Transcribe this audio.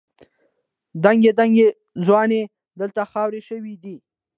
دنګې دنګې ځوانۍ دلته خاورې شوې دي.